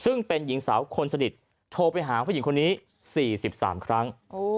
ซึ่งเป็นหญิงสาวคนสนิทโทรไปหาผู้หญิงคนนี้๔๓ครั้ง